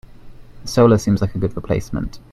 Solar seems like a good replacement.